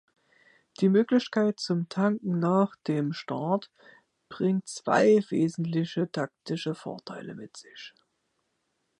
Die Möglichkeit zum Tanken nach dem Start bringt zwei wesentliche taktische Vorteile mit sich.